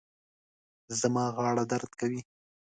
زما غاړه درد کوي